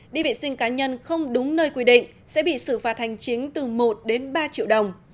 đi vệ sinh cá nhân không đúng nơi quy định sẽ bị xử phạt hành chính từ một đến ba triệu đồng